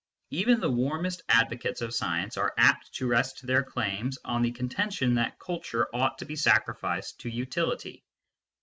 Even the warmest advocates of science are apt to rest their claims on the contention that culture ought to be sacrificed to utility.